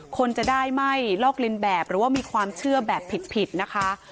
คนจะได้ไม่ลอกลินแบบหรือว่ามีความเชื่อแบบผิดนะคะ